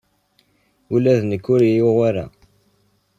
Ula d nekk ur iyi-yuɣ wara.